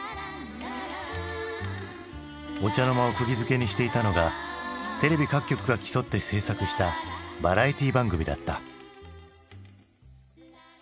お茶の間をくぎづけにしていたのがテレビ各局が競って制作したバラエティー番組だった。